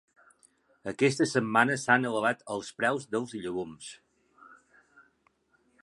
Aquesta setmana s'han elevat els preus dels llegums.